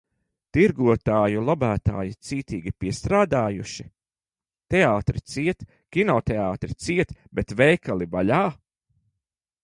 Tirgotāju lobētāji cītīgi piestrādājuši? Teātri ciet, kinoteātri ciet, bet veikali vaļā?